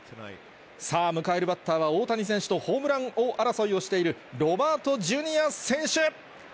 さあ、迎えるバッターは、大谷選手とホームラン王争いをしているロバートジュニア選手。